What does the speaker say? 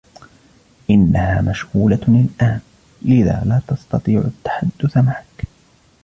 إنها مشغولة الآن, لذا لا تستطيع التحدث معك.